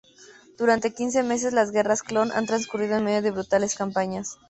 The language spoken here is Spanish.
Durante quince meses las Guerras Clon han transcurrido en medio de brutales campañas.